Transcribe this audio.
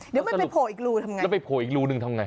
เดี๋ยวมันไปโผล่อีกรูทำไง